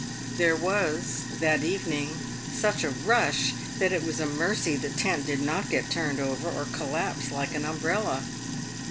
There was, that evening, such a rush that it was a mercy the tent did not get turned over, or collapse like an umbrella.